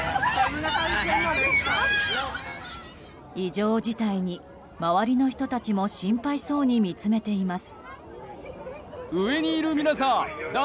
異常事態に周りの人たちも心配そうに見つめています。